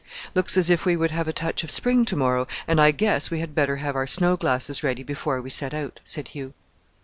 "Looks as if we would have a touch of spring to morrow, and I guess we had better have our snow glasses ready before we set out," said Hugh.